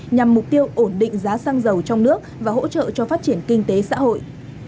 nhằm mục tiêu ổn định giá xăng dầu trong nước và hỗ trợ cho phát triển kinh tế xã hội